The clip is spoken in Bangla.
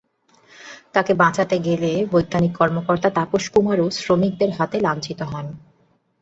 তাঁকে বাঁচাতে গেলে বৈজ্ঞানিক কর্মকর্তা তাপস কুমারও শ্রমিকদের হাতে লাঞ্ছিত হন।